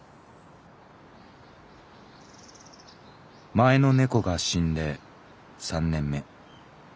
「前のネコが死んで三年目。